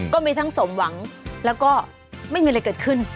ก็มีทั้งสมหวังแล้วก็ไม่มีอะไรเกิดขึ้น